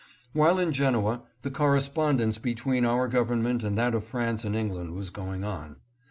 While in Genoa, the correspond ence between our Government and that of France and England was going on.